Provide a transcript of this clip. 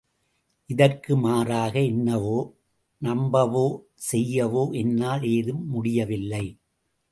இதற்கு மாறாக என்னணவோ, நம்பவோ, செய்யவோ என்னால் ஏதும் முடியவில்லை.